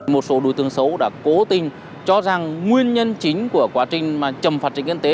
một số đối tượng xấu đã cố tình cho rằng nguyên nhân chính của quá trình chầm phạt trình yên tế